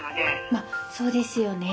まっそうですよね。